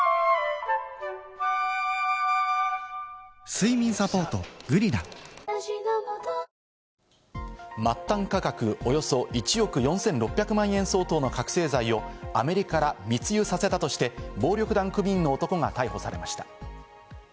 睡眠サポート「グリナ」末端価格およそ１億４６００万円相当の覚せい剤をアメリカから密輸させたとして暴力団組員の男が逮捕されました。